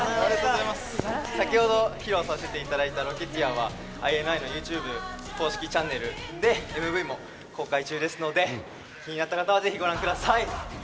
先ほど披露させていただいた『Ｒｏｃｋｅｔｅｅｒ』はＩＮＩのＹｏｕＴｕｂｅ公式チャンネルでＭＶも公開中ですので気になった方はぜひご覧ください。